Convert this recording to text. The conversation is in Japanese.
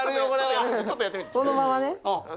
このままね。